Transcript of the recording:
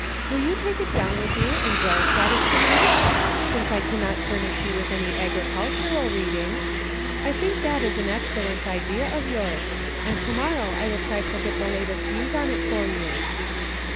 Will you take it down with you and glance at it to night ?— since I cannot furnish you with any agricultural reading. I think that is an excellent idea of yours, and to morrow I will try to get the latest views on it for you."